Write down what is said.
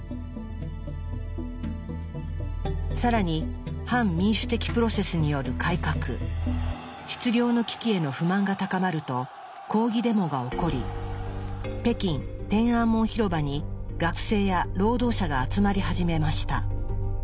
更に反民主的プロセスによる改革失業の危機への不満が高まると抗議デモが起こり北京・天安門広場に学生や労働者が集まり始めました。